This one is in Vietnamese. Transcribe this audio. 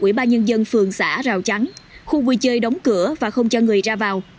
ubnd phường xã rào chắn khu vui chơi đóng cửa và không cho người ra vào